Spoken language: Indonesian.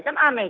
kan aneh itu